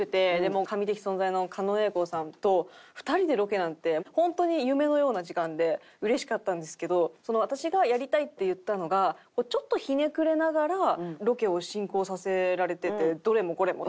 もう神的存在の狩野英孝さんと２人でロケなんて本当に夢のような時間でうれしかったんですけど私が「やりたい」って言ったのがちょっとひねくれながらロケを進行させられててどれもこれも。